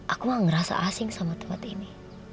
aku mah ngerasa asing sama tempat ini